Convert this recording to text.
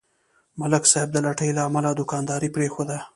ملک صاحب د لټۍ له امله دوکانداري پرېښوده.